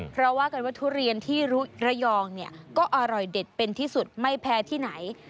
เพราะว่ากันว่าทุเรียนที่ระยองเนี่ยก็อร่อยเด็ดเป็นที่สุดไม่แพ้ที่ไหน